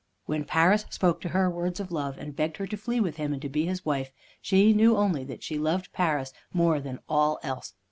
When Paris spoke to her words of love, and begged her to flee with him, and to be his wife, she knew only that she loved Paris more than all else.